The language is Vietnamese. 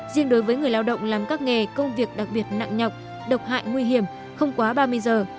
riêng đối với người lao động làm các nghề công việc đặc biệt nặng nhọc độc hại nguy hiểm không quá ba mươi giờ